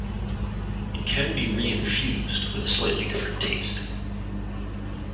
It can be reinfused, with a slightly different taste.